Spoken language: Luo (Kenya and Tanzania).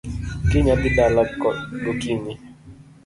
Kiny adhi dala gokinyi